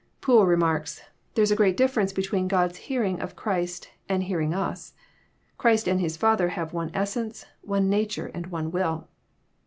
Poole remarks :" There is a great difference between God*s hearing of Christ and hearing us. Christ and His Father have one eissence, one nature, and one will."